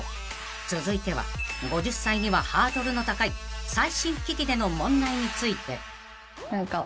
［続いては５０歳にはハードルの高い最新機器での問題について］